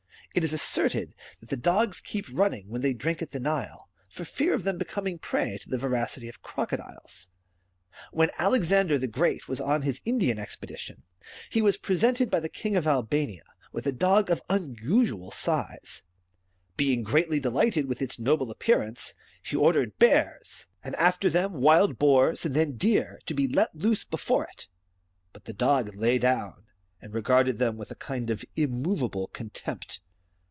It is asserted that the dogs keep running when they drink at the I^ile, for fear of becoming a prey to the voracity of the crocodile. ^^ When Alexander the Great was on his Indian expedition, he was presented by the king of Albania with a dog of unusual size ; being greatly delighted with its noble appearance, he ordered bears, and after them wild boars, and then deer, to be let loose before it ; but the dog lay down, and regarded them with a kind of immoveable contempt.